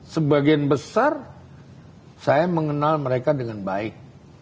sebagian besar saya mengenal mereka dengan baik